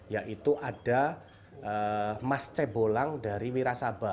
yaitu ada mas cebolang dari wirasaba